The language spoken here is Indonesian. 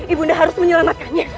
ibunda harus menyelamatkannya